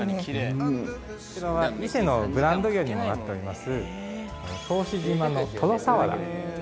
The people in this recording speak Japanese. こちらは伊勢のブランド牛にもなっております。